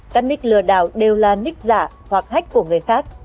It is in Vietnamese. các ních lừa đảo đều là ních giả hoặc hách của người khác